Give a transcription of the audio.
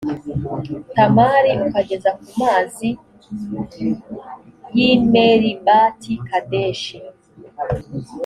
tamari ukageza ku mazi y i meribati kadeshi